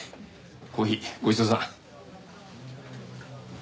コーヒーごちそうさん。